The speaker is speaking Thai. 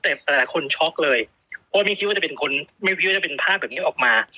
แต่แต่ละคนช็อคเลยเพราะว่าไม่คิดว่าจะเป็นภาพแบบนี้ออกมา